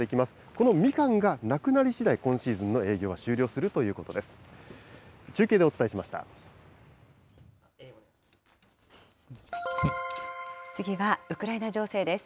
このみかんがなくなりしだい、今シーズンの営業は終了するということです。